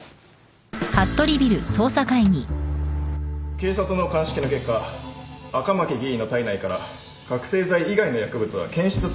警察の鑑識の結果赤巻議員の体内から覚せい剤以外の薬物は検出されなかったとのことです。